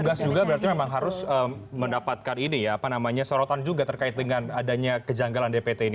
tugas juga berarti memang harus mendapatkan ini ya apa namanya sorotan juga terkait dengan adanya kejanggalan dpt ini